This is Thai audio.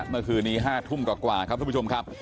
เมื่อคืนนี้๕ทุ่มกว่าครับทุกผู้ชมครับ